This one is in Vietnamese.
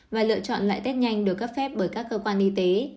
và lựa chọn loại test nhanh được cấp phép bởi các cơ quan y tế